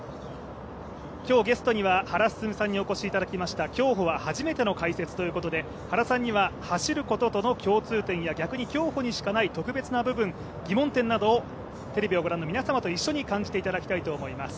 今日ゲストには原晋さんにお越しいただきました、競歩は初めての解説ということで原さんには走ることとの共通点や逆に競歩にしかない特別な部分、疑問点などをテレビの前の皆様と一緒に感じていただきたいと思います。